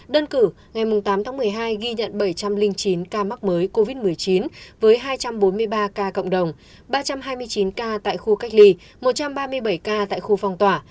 đơn cử ngày tám tháng một mươi hai ghi nhận bảy trăm linh chín ca mắc mới covid một mươi chín với hai trăm bốn mươi ba ca cộng đồng ba trăm hai mươi chín ca tại khu cách ly một trăm ba mươi bảy ca tại khu phong tỏa